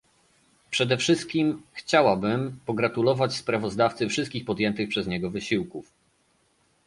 Przede wszystkim chciałabym pogratulować sprawozdawcy wszystkich podjętych przez niego wysiłków